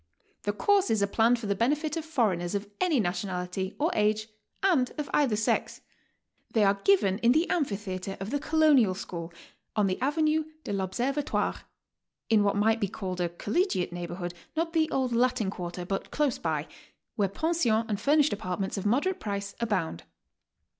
The courses are planned for the benefit of foreigners of any nationality or age and of either sex. They are given in the amphitheatre of the Colonial School on the Avenue de r Observatoire, — ^in what might be called a collegiate neighbor*hood, not the old Latin Quarter, but close by, — where pensions and furnished apartments of moderate price abound.